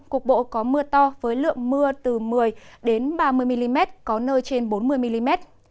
cục bộ có mưa to với lượng mưa từ một mươi ba mươi mm có nơi trên bốn mươi mm